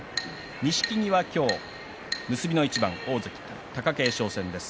錦木は今日、結びの一番大関貴景勝戦です。